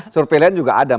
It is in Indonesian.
survei lain juga ada